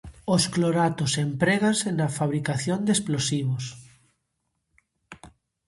Os cloratos empréganse na fabricación de explosivos.